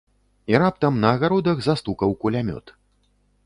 І раптам на агародах застукаў кулямёт.